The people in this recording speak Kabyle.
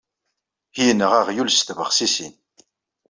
Yenɣa aɣyul s tbexsisin.